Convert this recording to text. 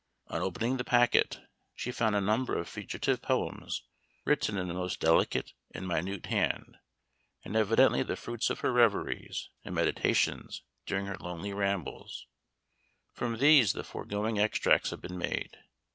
On opening the packet, she found a number of fugitive poems, written in a most delicate and minute hand, and evidently the fruits of her reveries and meditations during her lonely rambles; from these the foregoing extracts have been made.